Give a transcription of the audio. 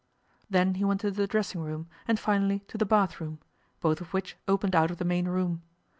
Then he went to the dressing room, and finally to the bathroom, both of which opened out of the main room.